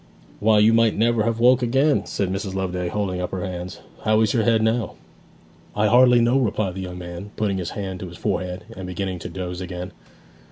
'Why, you might never have woke again!' said Mrs. Loveday, holding up her hands. 'How is your head now?' 'I hardly know,' replied the young man, putting his hand to his forehead and beginning to doze again.